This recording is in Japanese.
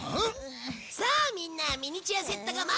さあみんなミニチュアセットが待っている！